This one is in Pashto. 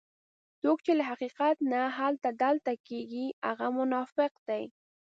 څوک چې له حقیقت نه هلته دلته کېږي هغه منافق دی.